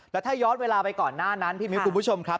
แล้วถ้าย้อนเวลาไปก่อนหน้านั้นพี่มิ้วคุณผู้ชมครับ